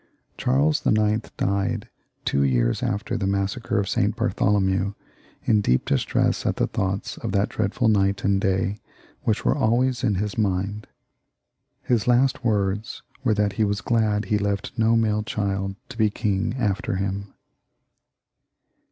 Charles IX. died two years after the massacre of St. Bartholomew, in deep distress at the thoughts of that dreadful night and day, which were always in his mind. His last words were that he was glad he left no male child to be king after him.